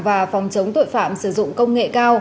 và phòng chống tội phạm sử dụng công nghệ cao